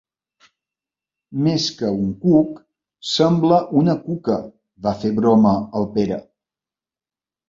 Més que un cuc, sembla una cuca —va fer broma el Pere.